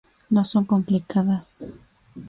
No son complicadas.